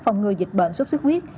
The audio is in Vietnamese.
phòng ngừa dịch bệnh sốt sức huyết